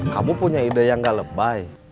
kamu punya ide yang gak lebay